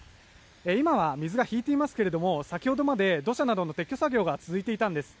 今は水が引いていますが先ほどまで土砂などの撤去作業が続いていたんです。